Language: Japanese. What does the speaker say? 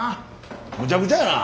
むちゃくちゃやな。